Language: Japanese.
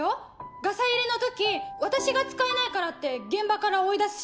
ガサ入れの時私が使えないからって現場から追い出すし。